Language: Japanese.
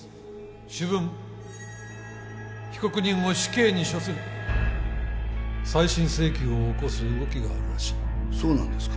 主文被告人を死刑に処する再審請求を起こす動きがあるらしいそうなんですか？